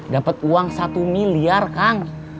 dapat uang satu miliar kang